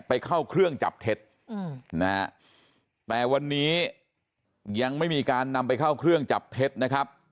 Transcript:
ไปเข้าเครื่องจับเท็จนะฮะแต่วันนี้ยังไม่มีการนำไปเข้าเครื่องจับเท็จนะครับ